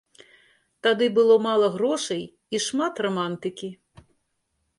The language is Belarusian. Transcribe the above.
Тады было мала грошай і шмат рамантыкі.